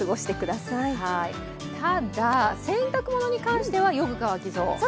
ただ、洗濯物に関してはよく乾きそう。